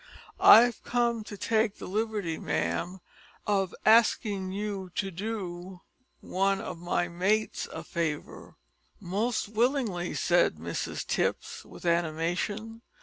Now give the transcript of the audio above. "I've come to take the liberty, ma'am, of askin' you to do one of my mates a favour." "Most willingly," said Mrs Tipps with animation.